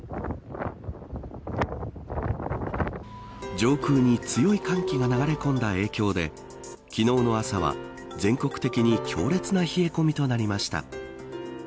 上空に強い寒気が流れ込んだ影響で昨日の朝は全国的に強烈な冷え込みとなりました。